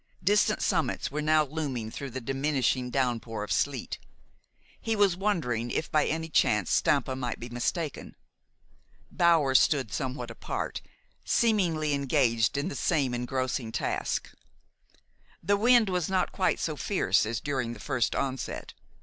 Distant summits were now looming through the diminishing downpour of sleet. He was wondering if by any chance Stampa might be mistaken. Bower stood somewhat apart, seemingly engaged in the same engrossing task. The wind was not quite so fierce as during its first onset.